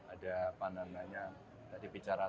ada apa namanya tadi bicara